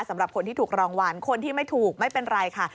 สำหรับคนที่ถูกรางวัลคนที่ไม่ถูกไม่เป็นไรค่ะ